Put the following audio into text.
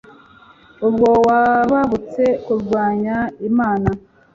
ubwo wubahutse kurwanya imana